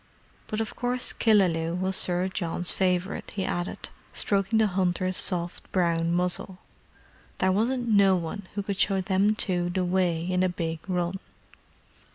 "But of course Killaloe was Sir John's favourite," he added, stroking the hunter's soft brown muzzle. "There wasn't no one could show them two the way in a big run."